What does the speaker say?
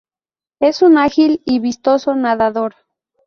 Es un ágil y vistoso nadador.